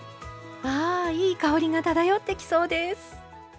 あいい香りが漂ってきそうです！